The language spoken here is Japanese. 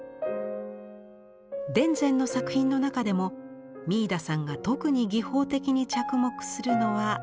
田善の作品の中でも三井田さんが特に技法的に着目するのはこの絵です。